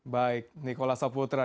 baik nikola saputra